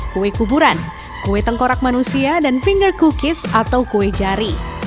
kue kuburan kue tengkorak manusia dan finger cookies atau kue jari